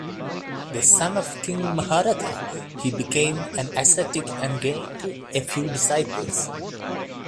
The son of King Maharatha, he became an ascetic and gained a few disciples.